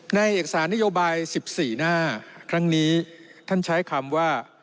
เอกสารนโยบาย๑๔หน้าครั้งนี้ท่านใช้คำว่า